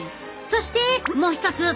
そしてもう一つ！